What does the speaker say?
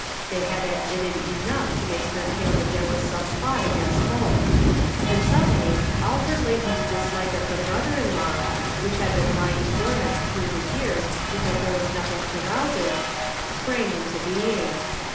They had admitted enough to make her feel that there was some plot against Holt ; and suddenly all her latent dislike of her brother in law, which had been lying dormant through the years because there was nothing to rouse it, sprang into being.